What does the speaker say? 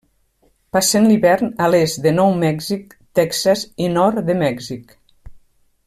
Passen l'hivern a l'est de Nou Mèxic, Texas i nord de Mèxic.